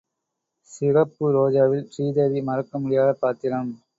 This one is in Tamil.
சிகப்பு ரோஜாவில் ஸ்ரீதேவி மறக்கமுடியாத பாத்திரம்.